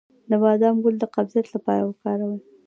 د بادام ګل د قبضیت لپاره وکاروئ